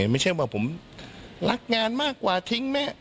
ไม่ใช่ว่าผมรักงานมากกว่าทิ้งแม่